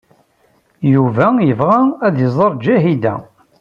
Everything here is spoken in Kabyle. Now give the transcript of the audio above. Yuba yebɣa ad iẓer Ǧahida.